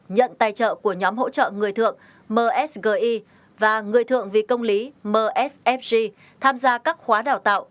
nhận tài trợ của nhóm hỗ trợ người thượng msgi và người thượng vì công lý msfg tham gia các khóa đào tạo